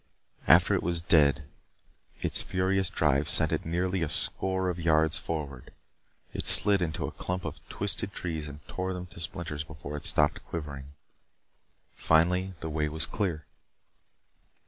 After it was dead its furious drive sent it nearly a score of yards forward. It slid into a clump of twisted trees and tore them to splinters before it stopped quivering. Finally the way was clear.